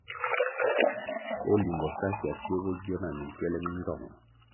O Limbo sa Ckwasio bo gio nah minkywèlè mi nzong ?